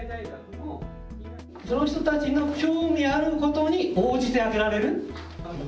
その人たちの興味あることに応じてあげられる。